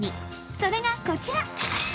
それが、こちら！